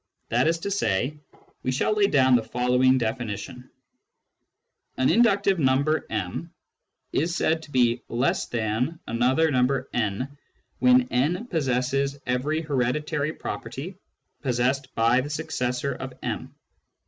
That is to say, we shall lay down the following definition :— An inductive number m is said to be less than another number n when n possesses every hereditary property possessed by the successor of m.